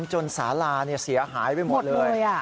จนสาลาเสียหายไปหมดเลย